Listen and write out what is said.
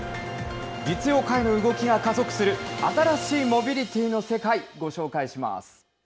実用化への動きが加速する新しいモビリティの世界、ご紹介します。